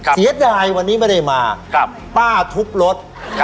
เสียดายวันนี้ไม่ได้มาป้าทุบรถ